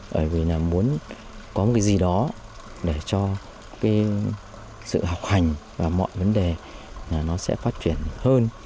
bởi vì muốn có một cái gì đó để cho sự học hành và mọi vấn đề nó sẽ phát triển hơn